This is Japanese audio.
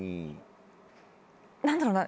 何だろうな？